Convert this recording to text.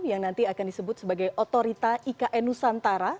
yang nanti akan disebut sebagai otorita ikn nusantara